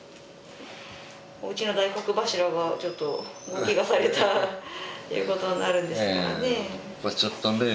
おうちの大黒柱がちょっと大ケガされたっていうことになるんですからねぇ。